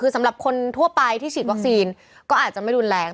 คือสำหรับคนทั่วไปที่ฉีดวัคซีนก็อาจจะไม่รุนแรง